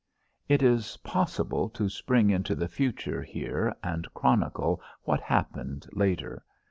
It is possible to spring into the future here and chronicle what happened later.